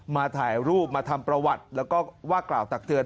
ถ่ายรูปมาทำประวัติแล้วก็ว่ากล่าวตักเตือน